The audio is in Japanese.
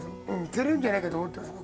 釣れるんじゃないかと思ってます